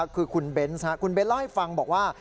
คือคุณเบนส์คุณเบ้นเล่าให้ฟังบอกว่า